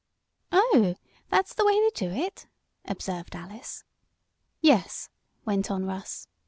"Oh, that's the way they do it?" observed Alice. "Yes," went on Russ.